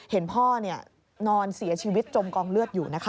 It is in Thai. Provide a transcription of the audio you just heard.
เห็นพ่อนอนเสียชีวิตจมกองเลือดอยู่นะคะ